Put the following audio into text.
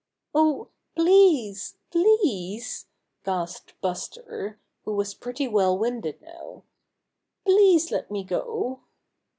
"Oh, please, please —" gasped Buster, who was pretty well winded now. "Please let me go!"